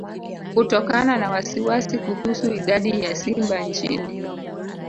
Kutokana na wasiwasi kuhusu idadi ya simba nchini